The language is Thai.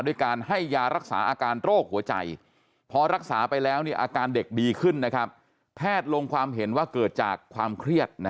ด้วยการให้ยารักษาอาการโรคหัวใจพอรักษาไปแล้วอาการเด็กดีขึ้นแพทย์ลงความเห็นว่าเกิดจากความเครียด